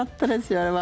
あれは。